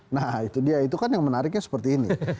nah itu dia itu kan yang menariknya seperti ini